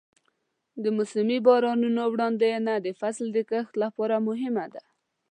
د موسمي بارانونو وړاندوینه د فصل د کښت لپاره مهمه ده.